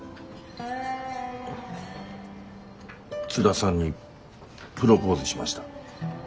津田さんにプロポーズしました。